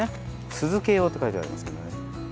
酢漬用って書いてありますけどね。